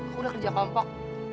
aku udah kerja kompok